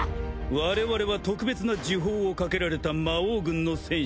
我々は特別な呪法をかけられた魔王軍の戦士だ。